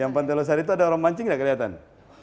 yang pantai losari itu ada orang mancing ya kelihatan